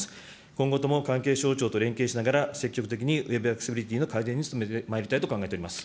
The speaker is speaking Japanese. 今後とも関係省庁と連携しながら、積極的にウェブアクセシビリティの改善に努めてまいりたいと考え